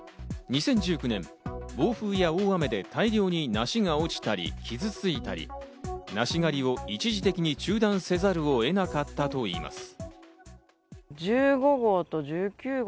２０１９年、暴風や大雨で大量に梨が落ちたり傷ついたり、梨狩りを一時的に中断せざるを得なかったといいます。